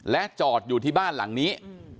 และจอดอยู่ที่บ้านหลังนี้